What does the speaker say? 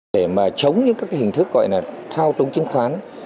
để mà chống những các cái hình thức gọi là thao túng chứng khoán